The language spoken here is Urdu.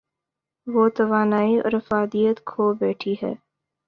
وہ توانائی اورافادیت کھو بیٹھی ہے۔